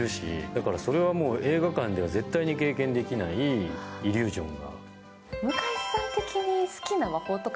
だからそれはもう映画館では絶対経験できないイリュージョン。